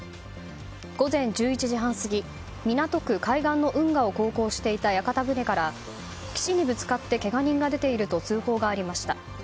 午前１１時半過ぎ港区海岸の運河を航行していた屋形船から、岸にぶつかってけが人が出ていると通報がありました。